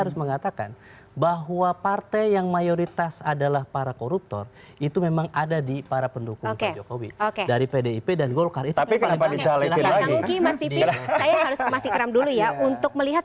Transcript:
saya harus masih keram dulu ya untuk melihat